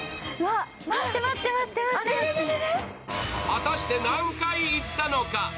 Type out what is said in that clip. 果たして何回言ったのか。